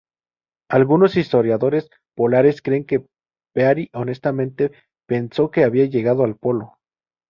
Algunos historiadores polares creen que Peary honestamente pensó que había llegado al Polo.